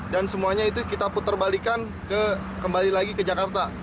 dan semuanya itu kita putar balikan kembali lagi ke jakarta